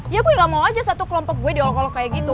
ya gue gak mau aja satu kelompok gue diolok olok kayak gitu